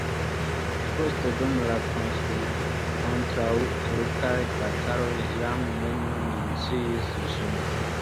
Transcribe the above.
Poste dum la kontraŭturkaj bataloj jam neniu menciis ĝin.